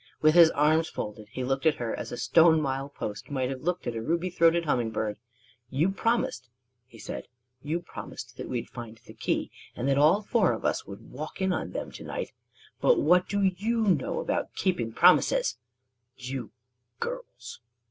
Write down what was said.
With his arms folded he looked at her as a stone mile post might have looked at a ruby throated humming bird. "You promised," he said "you promised that we'd find the key, and that all four of us would walk in on them to night. But what do you know about keeping promises you girls!"